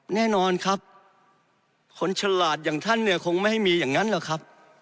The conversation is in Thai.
แน่นอนครับคนฉลาดอย่างท่านเนี่ยคงไม่ให้มีอย่างนั้นหรอกครับ